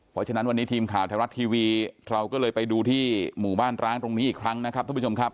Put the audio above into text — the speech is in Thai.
เพราะฉะนั้นวันนี้ทีมข่าวไทยรัฐทีวีเราก็เลยไปดูที่หมู่บ้านร้างตรงนี้อีกครั้งนะครับทุกผู้ชมครับ